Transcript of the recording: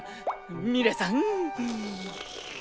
ミレさん！